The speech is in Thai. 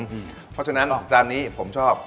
เพราะฉะนั้นจานนี้ผมชอบ